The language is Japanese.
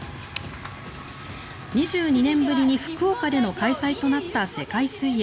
２２年ぶりに福岡での開催となった世界水泳。